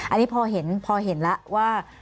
อันนี้พอเห็นแล้วว่า